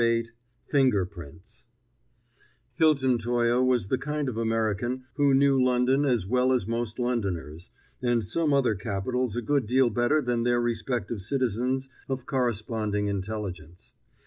VIII FINGER PRINTS Hilton Toye was the kind of American who knew London as well as most Londoners, and some other capitals a good deal better than their respective citizens of corresponding intelligence.